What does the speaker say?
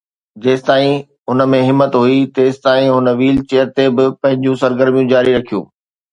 جيستائين هن ۾ همت هئي، تيستائين هن ويل چيئر تي به پنهنجون سرگرميون جاري رکيون